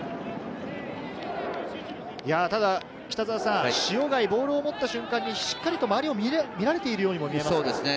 ただ、塩貝、ボールを持った瞬間にしっかりと周りを見られているようにも見えました。